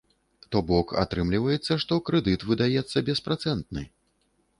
То бок, атрымліваецца, што крэдыт выдаецца беспрацэнтны.